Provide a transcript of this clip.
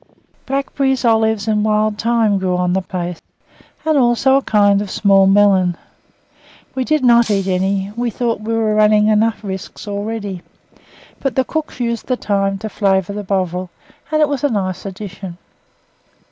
Blackberries, olives, and wild thyme grew on the place, and also a kind of small melon. We did not eat any; we thought we were running enough risks already; but the cooks used the thyme to flavour the bovril, and it was a nice addition.